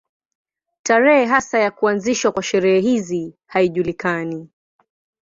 Tarehe hasa ya kuanzishwa kwa sherehe hizi haijulikani.